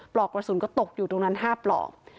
ปลอกกระสุนก็ตกอยู่ตรงนั้น๕ปลอก